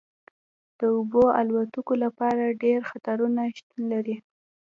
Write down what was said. د اوبو الوتکو لپاره ډیر خطرونه شتون لري